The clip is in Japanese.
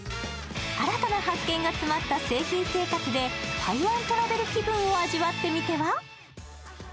新たな発見が詰まった誠品生活で台湾トラベル気分を味わってみては？